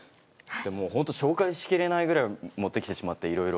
ほんと紹介しきれないぐらい持ってきてしまっていろいろ。